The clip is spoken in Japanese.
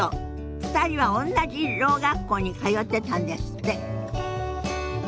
２人はおんなじろう学校に通ってたんですって。